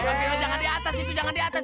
panggilin jangan di atas itu jangan di atas